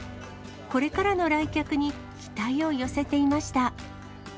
これからの来客に期待を寄せていました。